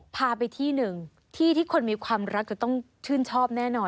พาไปที่หนึ่งที่ที่คนมีความรักจะต้องชื่นชอบแน่นอน